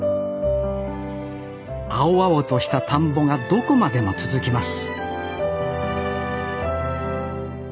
青々とした田んぼがどこまでも続きます